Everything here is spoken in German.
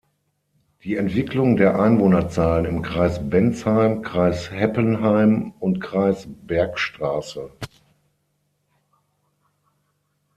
Die Entwicklung der Einwohnerzahlen im Kreis Bensheim, Kreis Heppenheim und Kreis Bergstraße.